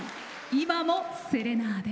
「今もセレナーデ」。